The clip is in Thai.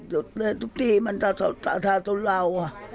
หยุดเรื่องทุกทีมันจะสาดเสาเรา